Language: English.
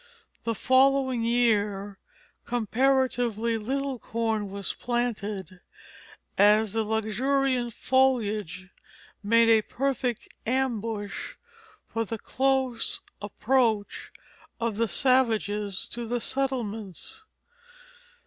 The following year comparatively little corn was planted, as the luxuriant foliage made a perfect ambush for the close approach of the savages to the settlements.